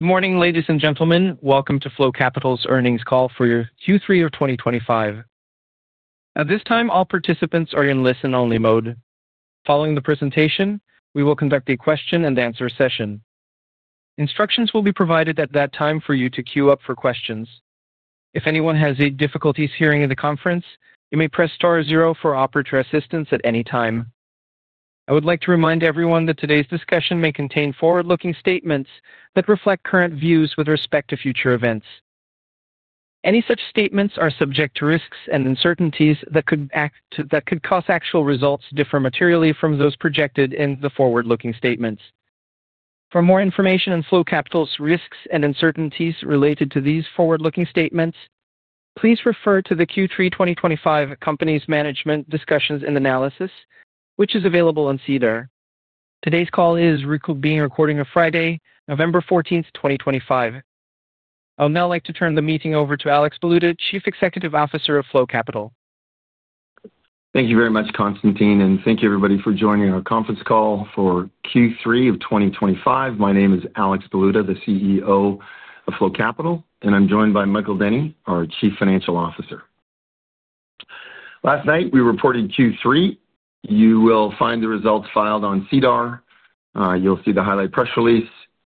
Good morning, ladies and gentlemen. Welcome to Flow Capital's Earnings Call for Q3 of 2025. At this time, all participants are in listen-only mode. Following the presentation, we will conduct a question-and-answer session. Instructions will be provided at that time for you to queue up for questions. If anyone has any difficulties hearing in the conference, you may press *0 for operator assistance at any time. I would like to remind everyone that today's discussion may contain forward-looking statements that reflect current views with respect to future events. Any such statements are subject to risks and uncertainties that could cause actual results to differ materially from those projected in the forward-looking statements. For more information on Flow Capital's risks and uncertainties related to these forward-looking statements, please refer to the Q3 2025 Company's Management Discussion and Analysis, which is available on SEDAR. Today's call is being recorded on Friday, November 14, 2025. I would now like to turn the meeting over to Alex Baluta, Chief Executive Officer of Flow Capital. Thank you very much, Constantine, and thank you, everybody, for joining our conference call for Q3 of 2025. My name is Alex Baluta, the CEO of Flow Capital, and I'm joined by Michael Denny, our Chief Financial Officer. Last night, we reported Q3. You will find the results filed on SEDAR. You'll see the highlighted press release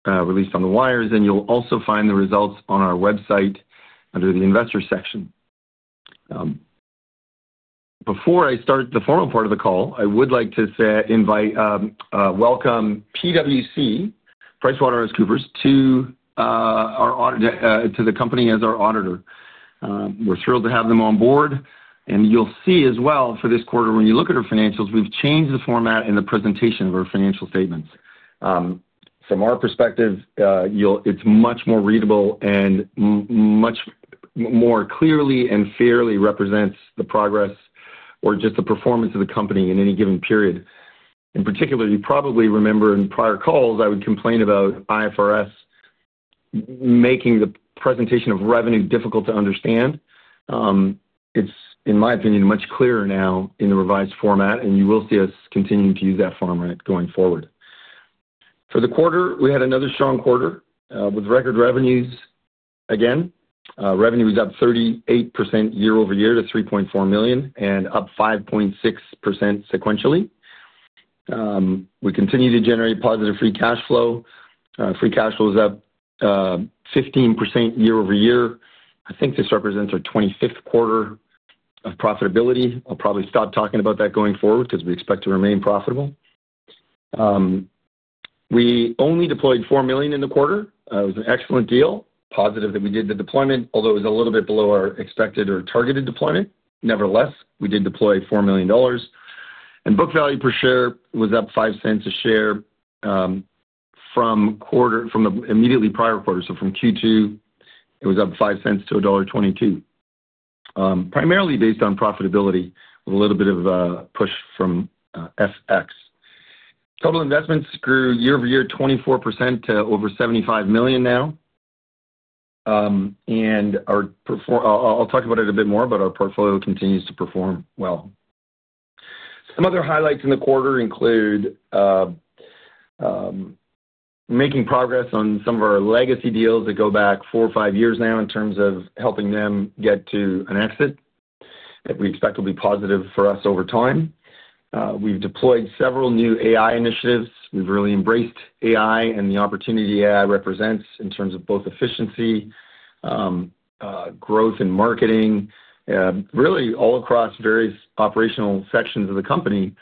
released on the wires, and you'll also find the results on our website under the Investor section. Before I start the formal part of the call, I would like to invite and welcome PwC, PricewaterhouseCoopers, to the company as our auditor. We're thrilled to have them on board. You'll see as well, for this quarter, when you look at our financials, we've changed the format and the presentation of our financial statements. From our perspective, it's much more readable and much more clearly and fairly represents the progress or just the performance of the company in any given period. In particular, you probably remember in prior calls, I would complain about IFRS making the presentation of revenue difficult to understand. It's, in my opinion, much clearer now in the revised format, and you will see us continue to use that format going forward. For the quarter, we had another strong quarter with record revenues. Again, revenue was up 38% year-over-year to 3.4 million and up 5.6% sequentially. We continue to generate positive free cash flow. Free cash flow is up 15% year-over-year. I think this represents our 25th quarter of profitability. I'll probably stop talking about that going forward because we expect to remain profitable. We only deployed 4 million in the quarter. It was an excellent deal, positive that we did the deployment, although it was a little bit below our expected or targeted deployment. Nevertheless, we did deploy $4 million. Book value per share was up $0.05 a share from the immediately prior quarter. From Q2, it was up $0.05 to $1.22, primarily based on profitability with a little bit of a push from FX. Total investments grew year-over-year 24% to over 75 million now. I'll talk about it a bit more, but our portfolio continues to perform well. Some other highlights in the quarter include making progress on some of our legacy deals that go back four or five years now in terms of helping them get to an exit that we expect will be positive for us over time. We've deployed several new AI initiatives. We've really embraced AI and the opportunity AI represents in terms of both efficiency, growth, and marketing. Really, all across various operational sections of the company,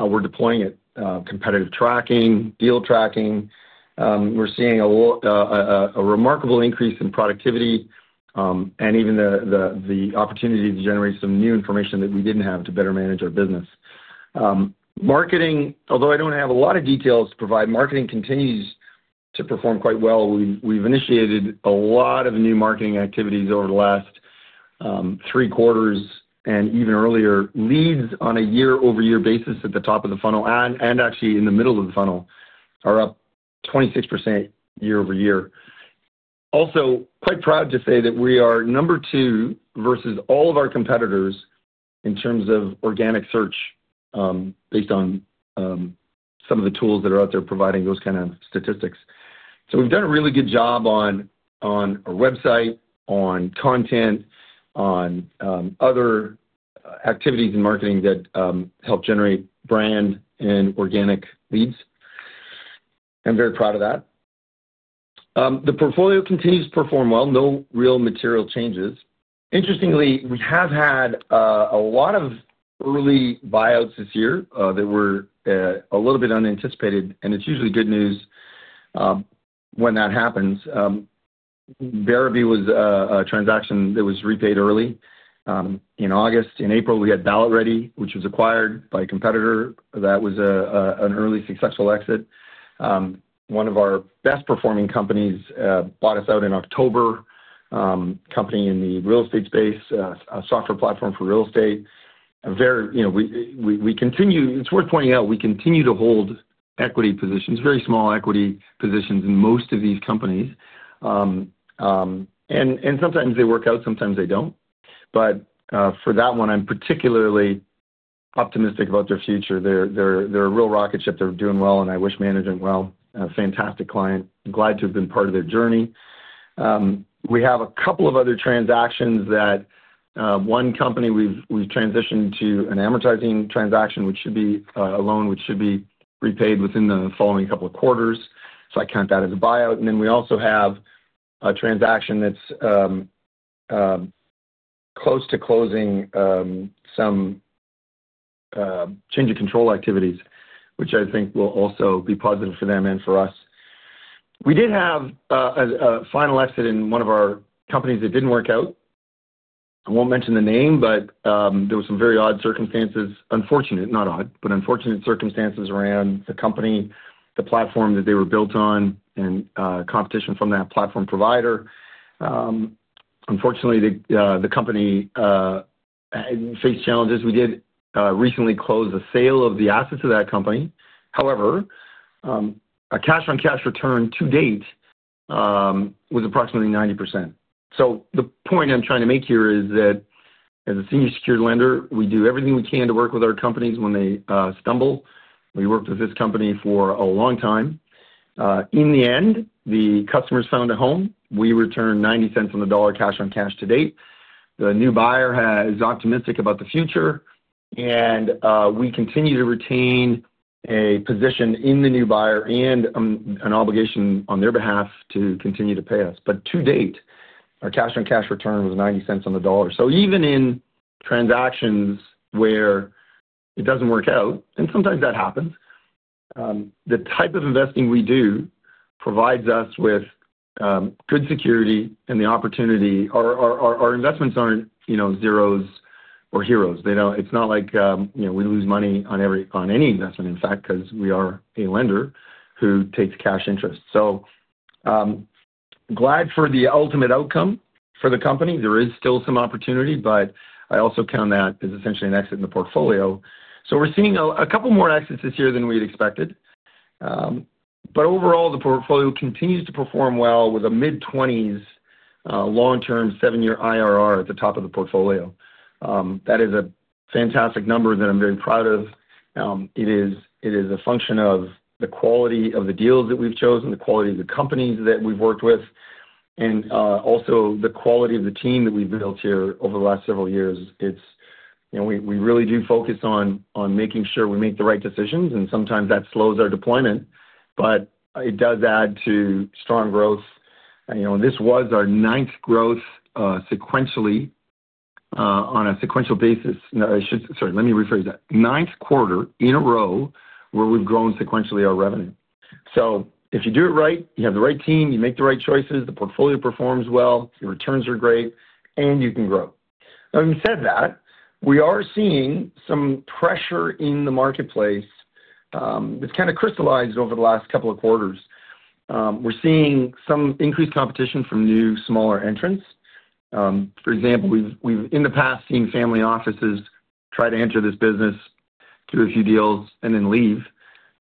we're deploying it: competitive tracking, deal tracking. We're seeing a remarkable increase in productivity and even the opportunity to generate some new information that we didn't have to better manage our business. Marketing, although I don't have a lot of details to provide, marketing continues to perform quite well. We've initiated a lot of new marketing activities over the last three quarters and even earlier. Leads on a year-over-year basis at the top of the funnel and actually in the middle of the funnel are up 26% year-over-year. Also, quite proud to say that we are number two versus all of our competitors in terms of organic search based on some of the tools that are out there providing those kinds of statistics. We've done a really good job on our website, on content, on other activities in marketing that help generate brand and organic leads. I'm very proud of that. The portfolio continues to perform well. No real material changes. Interestingly, we have had a lot of early buyouts this year that were a little bit unanticipated, and it's usually good news when that happens. Bare to Be was a transaction that was repaid early in August. In April, we had Ballot Ready, which was acquired by a competitor. That was an early successful exit. One of our best-performing companies bought us out in October, a company in the real estate space, a software platform for real estate. It's worth pointing out, we continue to hold equity positions, very small equity positions in most of these companies. Sometimes they work out, sometimes they don't. For that one, I'm particularly optimistic about their future. They're a real rocket ship. They're doing well, and I wish management well. Fantastic client. I'm glad to have been part of their journey. We have a couple of other transactions. One company we've transitioned to an amortizing transaction, which should be a loan which should be repaid within the following couple of quarters. I count that as a buyout. We also have a transaction that's close to closing some change of control activities, which I think will also be positive for them and for us. We did have a final exit in one of our companies that didn't work out. I won't mention the name, but there were some very odd circumstances. Unfortunate, not odd, but unfortunate circumstances around the company, the platform that they were built on, and competition from that platform provider. Unfortunately, the company faced challenges. We did recently close the sale of the assets of that company. However, a cash-on-cash return to date was approximately 90%. The point I'm trying to make here is that, as a senior secured lender, we do everything we can to work with our companies when they stumble. We worked with this company for a long time. In the end, the customers found a home. We returned $0.90 on the dollar cash-on-cash to date. The new buyer is optimistic about the future, and we continue to retain a position in the new buyer and an obligation on their behalf to continue to pay us. To date, our cash-on-cash return was $0.90 on the dollar. Even in transactions where it does not work out, and sometimes that happens, the type of investing we do provides us with good security and the opportunity. Our investments are not zeros or heroes. It is not like we lose money on any investment, in fact, because we are a lender who takes cash interest. Glad for the ultimate outcome for the company. There is still some opportunity, but I also count that as essentially an exit in the portfolio. We are seeing a couple more exits this year than we had expected. Overall, the portfolio continues to perform well with a mid-20s long-term seven-year IRR at the top of the portfolio. That is a fantastic number that I am very proud of. It is a function of the quality of the deals that we've chosen, the quality of the companies that we've worked with, and also the quality of the team that we've built here over the last several years. We really do focus on making sure we make the right decisions, and sometimes that slows our deployment, but it does add to strong growth. This was our ninth quarter in a row where we've grown sequentially our revenue. If you do it right, you have the right team, you make the right choices, the portfolio performs well, your returns are great, and you can grow. Having said that, we are seeing some pressure in the marketplace that's kind of crystallized over the last couple of quarters. We're seeing some increased competition from new smaller entrants. For example, we've in the past seen family offices try to enter this business, do a few deals, and then leave.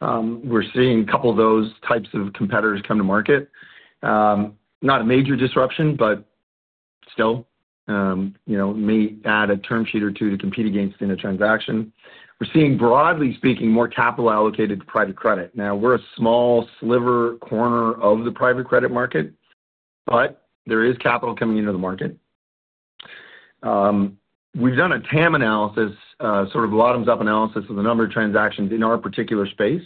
We're seeing a couple of those types of competitors come to market. Not a major disruption, but still may add a term sheet or two to compete against in a transaction. We're seeing, broadly speaking, more capital allocated to private credit. Now, we're a small sliver corner of the private credit market, but there is capital coming into the market. We've done a TAM analysis, sort of a bottoms-up analysis of the number of transactions in our particular space.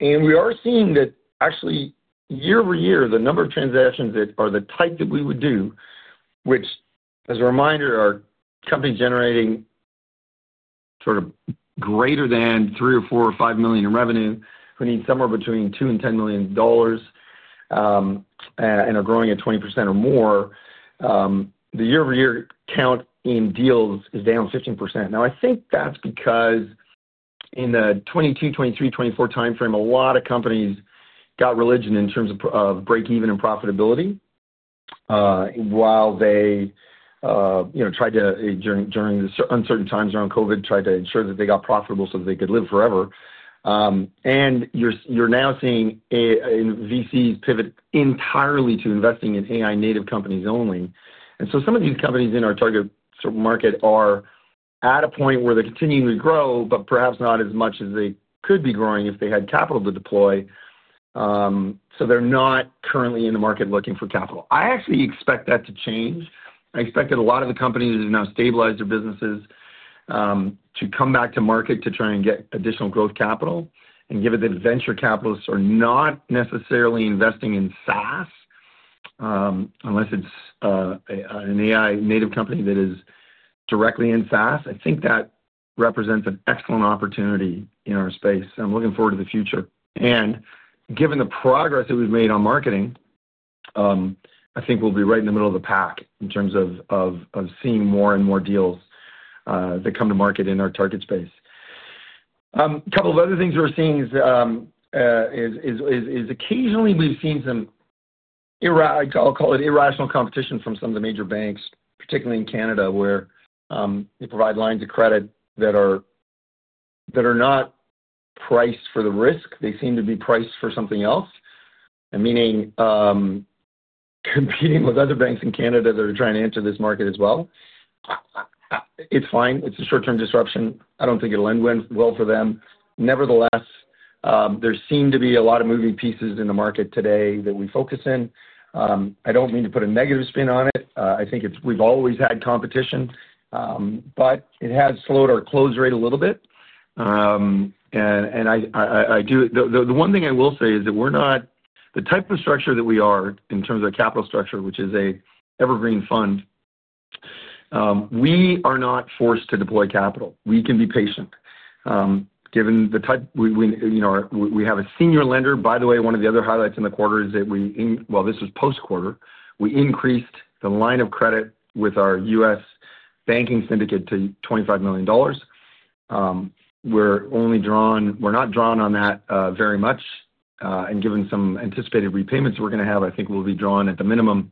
We are seeing that, actually, year-over-year, the number of transactions that are the type that we would do, which, as a reminder, are companies generating sort of greater than $3 million or $4 million or $5 million in revenue, who need somewhere between $2 million-$10 million and are growing at 20% or more, the year-over-year count in deals is down 15%. I think that's because in the 2022, 2023, 2024 timeframe, a lot of companies got religion in terms of break-even and profitability while they tried to, during the uncertain times around COVID, tried to ensure that they got profitable so that they could live forever. You are now seeing VCs pivot entirely to investing in AI-native companies only. Some of these companies in our target market are at a point where they're continuing to grow, but perhaps not as much as they could be growing if they had capital to deploy. They're not currently in the market looking for capital. I actually expect that to change. I expect that a lot of the companies that have now stabilized their businesses to come back to market to try and get additional growth capital, and given that venture capitalists are not necessarily investing in SaaS unless it's an AI-native company that is directly in SaaS, I think that represents an excellent opportunity in our space. I'm looking forward to the future. Given the progress that we've made on marketing, I think we'll be right in the middle of the pack in terms of seeing more and more deals that come to market in our target space. A couple of other things we're seeing is occasionally we've seen some, I'll call it, irrational competition from some of the major banks, particularly in Canada, where they provide lines of credit that are not priced for the risk. They seem to be priced for something else, meaning competing with other banks in Canada that are trying to enter this market as well. It's fine. It's a short-term disruption. I don't think it'll end well for them. Nevertheless, there seem to be a lot of moving pieces in the market today that we focus in. I don't mean to put a negative spin on it. I think we've always had competition, but it has slowed our close rate a little bit. The one thing I will say is that we're not the type of structure that we are in terms of capital structure, which is an evergreen fund. We are not forced to deploy capital. We can be patient. Given the type, we have a senior lender. By the way, one of the other highlights in the quarter is that we—this was post-quarter—increased the line of credit with our U.S. banking syndicate to $25 million. We're not drawn on that very much. Given some anticipated repayments we're going to have, I think we'll be drawn at the minimum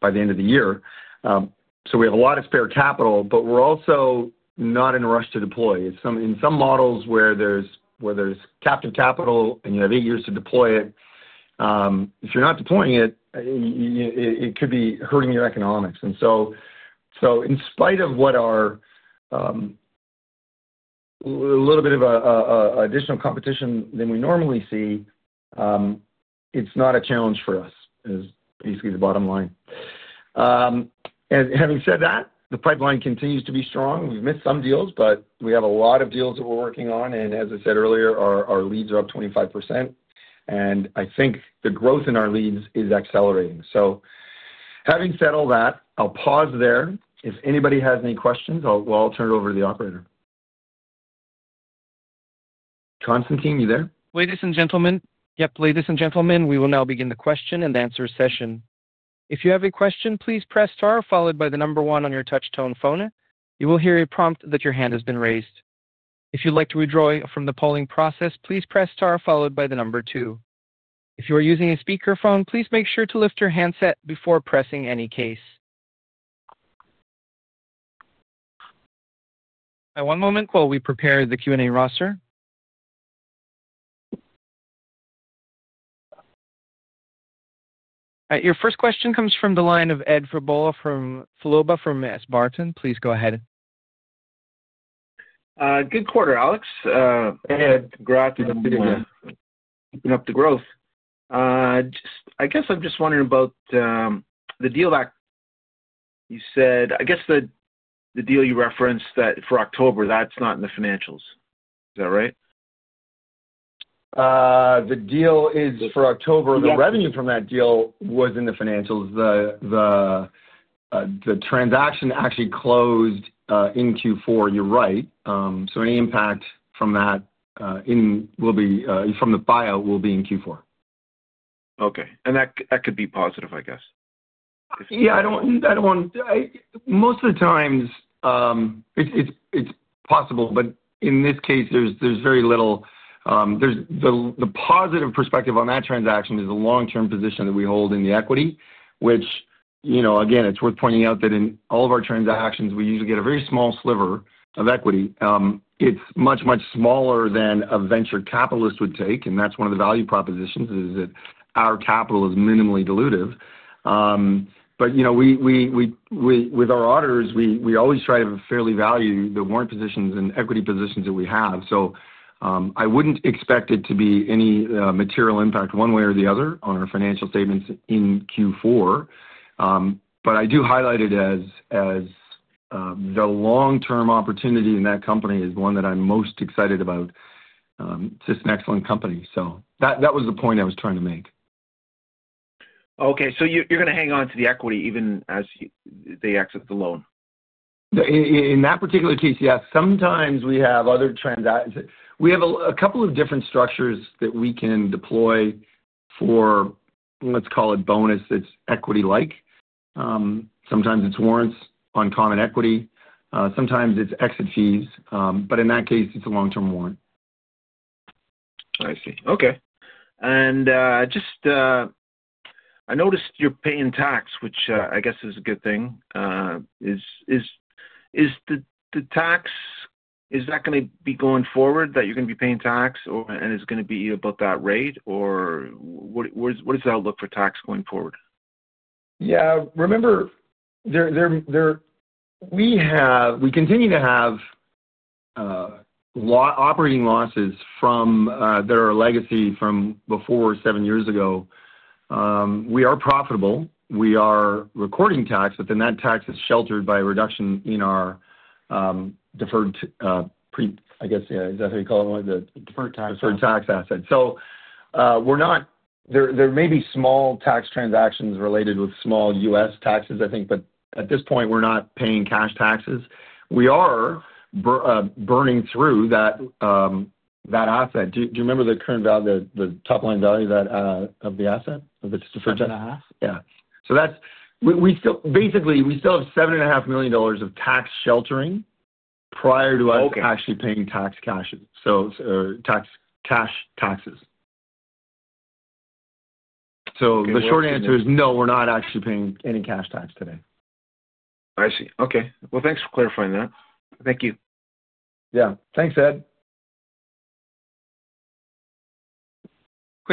by the end of the year. We have a lot of spare capital, but we're also not in a rush to deploy. In some models where there's captive capital and you have eight years to deploy it, if you're not deploying it, it could be hurting your economics. In spite of what are a little bit of additional competition than we normally see, it's not a challenge for us, is basically the bottom line. Having said that, the pipeline continues to be strong. We've missed some deals, but we have a lot of deals that we're working on. As I said earlier, our leads are up 25%. I think the growth in our leads is accelerating. Having said all that, I'll pause there. If anybody has any questions, I'll turn it over to the operator. Constantine, you there? Ladies and gentlemen, yep, ladies and gentlemen, we will now begin the question and answer session. If you have a question, please press star, followed by the number one on your touch-tone phone. You will hear a prompt that your hand has been raised. If you'd like to withdraw from the polling process, please press star, followed by the number two. If you are using a speakerphone, please make sure to lift your handset before pressing any case. One moment while we prepare the Q&A roster. Your first question comes from the line of Ed Verbola from S Barton. Please go ahead. Good quarter, Alex. Ed, congrats on keeping up the growth. I guess I'm just wondering about the deal that you said. I guess the deal you referenced for October, that's not in the financials. Is that right? The deal is for October. The revenue from that deal was in the financials. The transaction actually closed in Q4. You're right. Any impact from that will be from the buyout will be in Q4. Okay. That could be positive, I guess. Yeah. I do not want—most of the times, it is possible. In this case, there is very little. The positive perspective on that transaction is the long-term position that we hold in the equity, which, again, it is worth pointing out that in all of our transactions, we usually get a very small sliver of equity. It is much, much smaller than a venture capitalist would take. That is one of the value propositions, is that our capital is minimally dilutive. With our auditors, we always try to fairly value the warrant positions and equity positions that we have. I would not expect it to be any material impact one way or the other on our financial statements in Q4. But I do highlight it as the long-term opportunity in that company is the one that I'm most excited about. It's just an excellent company. That was the point I was trying to make. Okay. You're going to hang on to the equity even as they exit the loan? In that particular case, yes. Sometimes we have other transactions. We have a couple of different structures that we can deploy for, let's call it, bonus that's equity-like. Sometimes it's warrants on common equity. Sometimes it's exit fees. In that case, it's a long-term warrant. I see. Okay. I noticed you're paying tax, which I guess is a good thing. Is the tax—is that going to be going forward that you're going to be paying tax, and it's going to be about that rate? What does that look for tax going forward? Yeah. Remember, we continue to have operating losses that are a legacy from before seven years ago. We are profitable. We are recording tax, but then that tax is sheltered by a reduction in our deferred—I guess, yeah, is that how you call it? Deferred tax asset. Deferred tax asset. There may be small tax transactions related with small U.S. taxes, I think, but at this point, we're not paying cash taxes. We are burning through that asset. Do you remember the current value, the top-line value of the asset, of the deferred tax? Seven and a half? Yeah. Basically, we still have 7.5 million dollars of tax sheltering prior to us actually paying cash taxes. The short answer is no, we're not actually paying any cash tax today. I see. Okay. Thanks for clarifying that. Thank you. Yeah. Thanks, Ed. Quick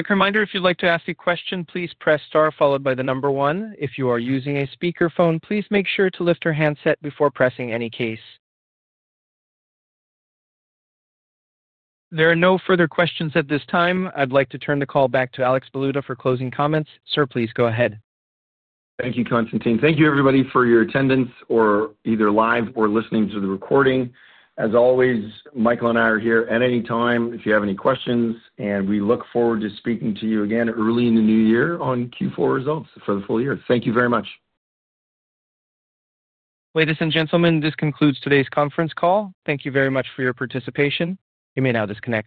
reminder, if you'd like to ask a question, please press star, followed by the number one. If you are using a speakerphone, please make sure to lift your handset before pressing any keys. There are no further questions at this time. I'd like to turn the call back to Alex Baluta for closing comments. Sir, please go ahead. Thank you, Constantine. Thank you, everybody, for your attendance, either live or listening to the recording. As always, Michael and I are here at any time if you have any questions. We look forward to speaking to you again early in the new year on Q4 results for the full year. Thank you very much. Ladies and gentlemen, this concludes today's conference call. Thank you very much for your participation. You may now disconnect.